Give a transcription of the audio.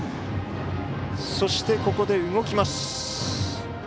そして、ここで動きます。